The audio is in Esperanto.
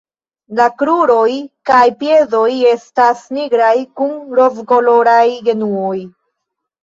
La kruroj kaj piedoj estas nigraj kun rozkoloraj genuoj.